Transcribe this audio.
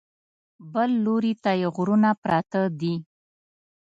بل لوري ته یې غرونه پراته دي.